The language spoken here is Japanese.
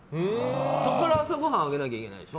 そこから朝ごはんをあげなきゃいけないでしょ。